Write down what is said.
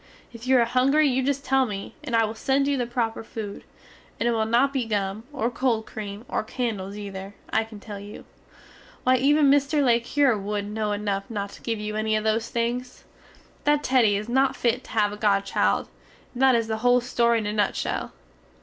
If you are hungry you just tell me, and I will send you the proper food; and it will not be gum, or cold cream or candels ether, I can tell you. Why even Mr. le Cure wood no enuf not to give you enny of those things. That Teddy is not fit to have a godchild, and that is the hole story in a nutshell.